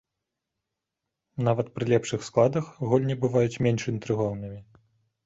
Нават пры лепшых складах гульні бываюць менш інтрыгоўнымі.